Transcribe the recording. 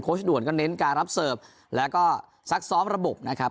ด่วนก็เน้นการรับเสิร์ฟแล้วก็ซักซ้อมระบบนะครับ